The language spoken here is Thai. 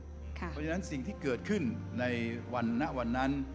เพราะฉะนั้นสิ่งที่เกิดขึ้นในวันณวันนั้น